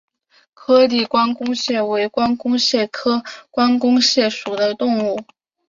颗粒关公蟹为关公蟹科关公蟹属的动物。